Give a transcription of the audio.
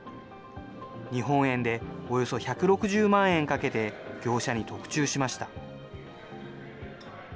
日本円でおよそ１６０万円かけて、業者に特注しました。